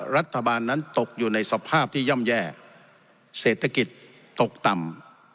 รัฐบาลนั้นตกอยู่ในสภาพที่ย่ำแย่เศรษฐกิจตกต่ำ